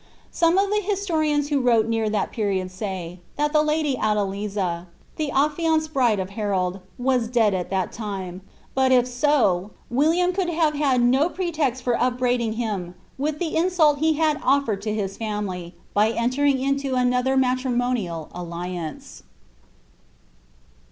Some of the historians who wrote neat that period say, thai the lady Adeliza, the affianced bride of Harold, was dead ■I that time; but if so, William could bare had no preteit for upbniid ine him with the insult be had oflered to his &mily, by entermg itilo mother matrimonial alliance.'